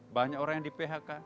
banyak orang yang di phk